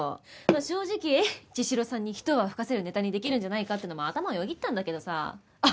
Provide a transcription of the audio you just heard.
正直茅代さんにひと泡吹かせるネタにできるんじゃないかってのも頭をよぎったんだけどさあ